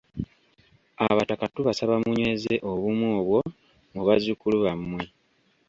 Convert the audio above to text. Abataka tubasaba munyweze obumu obwo mu bazzukulu bammwe.